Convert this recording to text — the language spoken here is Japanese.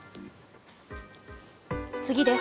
次です。